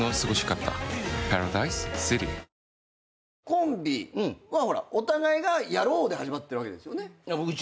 コンビはほらお互いがやろうで始まってるわけですよね。